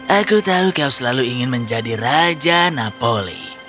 aku tahu kau selalu ingin menjadi raja napoli